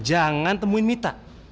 jangan temuin mita